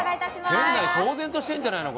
店内騒然としてるんじゃないの？